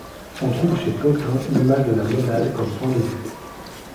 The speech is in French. On trouve chez Plotin l'image de la Monade comme point de vue.